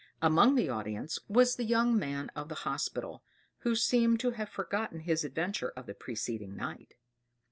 Among the audience was the young man of the hospital, who seemed to have forgotten his adventure of the preceding night.